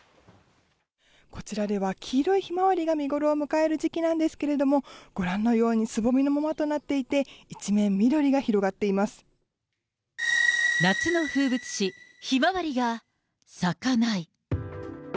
こちらでは黄色いひまわりが見頃を迎える時期なんですけれども、ご覧のようにつぼみのままとなっていて一面、夏の風物詩、ひまわりが咲かない。